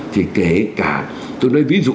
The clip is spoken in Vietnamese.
thì kể cả tôi nói ví dụ